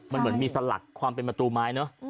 เป็นสลักความเป็นประตูไม้เนอะ